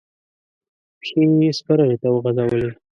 پښې يې سپرغې ته وغزولې.